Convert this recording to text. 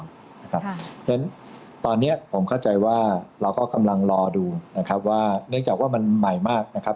เพราะฉะนั้นตอนนี้ผมเข้าใจว่าเราก็กำลังรอดูนะครับว่าเนื่องจากว่ามันใหม่มากนะครับ